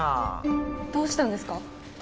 どうしたんですか？